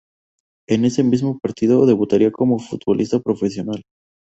Ese mismo partido, debutaría como futbolista profesional.